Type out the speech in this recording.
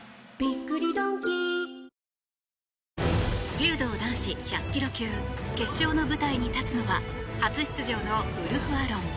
柔道男子１００ｋｇ級決勝の舞台に立つのは初出場のウルフ・アロン。